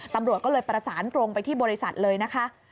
ตำรวจก็เลยประสานตรงไปที่บริษัทเลยนะคะ